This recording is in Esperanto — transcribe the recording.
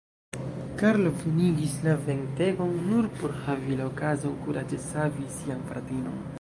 Karlo venigis la ventegon nur por havi la okazon kuraĝe savi sian fratinon.